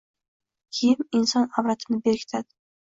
Kiyim inson avratini berkitadi